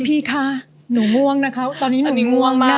พี่คะหนูง่วงนะคะตอนนี้หนูนี่ง่วงมาก